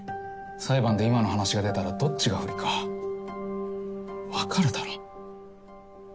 裁判で今の話が出たらどっちが不利か分かるだろ？